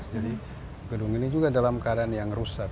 jadi gedung ini juga dalam keadaan yang rusak